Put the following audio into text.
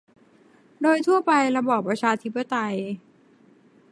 โดยทั่วไประบอบประชาธิปไตย